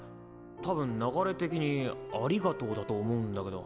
多分流れ的に「ありがとう」だと思うんだけど。